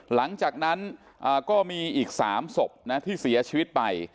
หลังจากนั้นก็มีอีก๓ศพนะที่เสียชีวิตไป